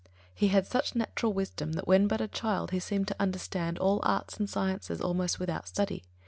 He had such natural wisdom that when but a child he seemed to understand all arts and sciences almost without study.